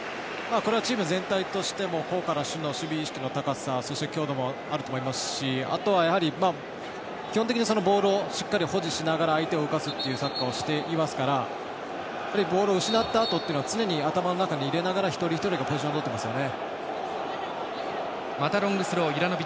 チーム全体としても全体力の高さ、そして強度もあると思いますしあとは基本的にボールを保持しながら相手を動かすっていうサッカーをしていますからボールを失ったあとというのは常に頭に入れながら一人一人がポジションをとっていますよね。